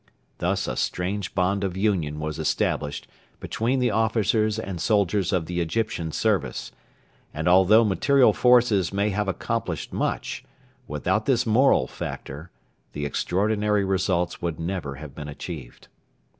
Thus a strange bond of union was established between the officers and soldiers of the Egyptian Service; and although material forces may have accomplished much, without this moral factor the extraordinary results would never have been achieved.